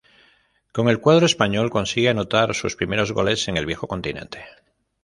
Con el cuadro español consigue anotar sus primeros goles en el viejo continente.